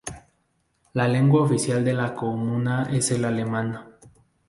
La lengua oficial de la comuna es el alemán.